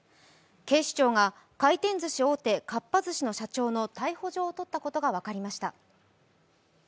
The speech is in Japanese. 警視庁が回転ずし大手かっぱ寿司の社長の逮捕状をとったことを明らかにしました。